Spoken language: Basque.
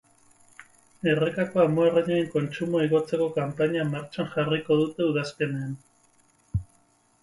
Errekako amuarrainaren kontsumoa igotzeko kanpaina martxan jarriko dute udazkenean.